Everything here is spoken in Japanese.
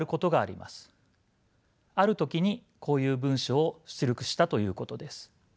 ある時にこういう文章を出力したということです。